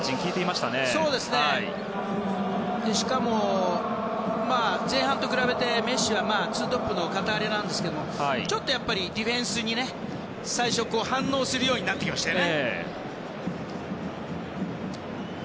しかも、前半と比べてメッシは２トップの片割れなんですけどディフェンスに最初反応するようになってきましたよね。